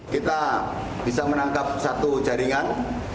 kita bisa menangkap satu jaringan